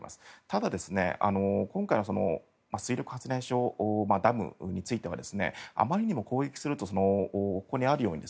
ただ、今回水力発電所、ダムについてはあまりにも、攻撃するとここにあるように